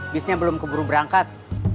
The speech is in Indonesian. bisnya belum keburu berangkat